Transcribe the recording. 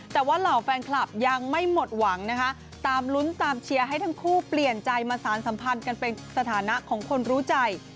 แต่ว่าเหล่าแฟนคลับยังไม่หมดหวังนะคะตามลุ้นตามเชียร์ให้ทั้งคู่เปลี่ยนใจมาสารสัมพันธ์กันเป็นสถานะของคนรู้ใจ